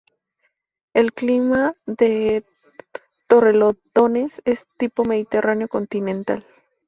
El clima de Torrelodones es de tipo mediterráneo continental.